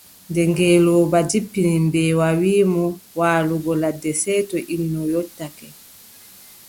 Nde ngeelooba jippini mbeewa wii mo waalugo ladde, sey to innu yottake.